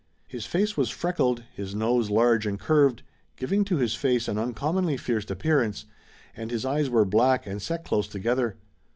His face was freckled, his nose large and curved, giving to his face an uncommonly fierce appearance, and his eyes were black and set close together.